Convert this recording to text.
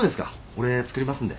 俺作りますんで。